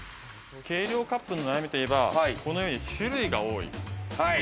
計量カップの悩みといえばこのように種類が多い。